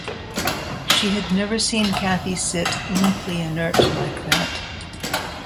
She had never seen Kathy sit limply inert like that.